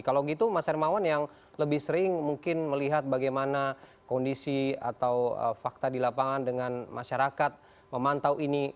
kalau gitu mas hermawan yang lebih sering mungkin melihat bagaimana kondisi atau fakta di lapangan dengan masyarakat memantau ini